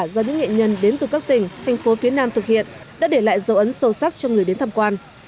do những nghệ nhân đến từ các tỉnh thành phố phía nam thực hiện đã để lại dấu ấn sâu sắc cho người đến tham quan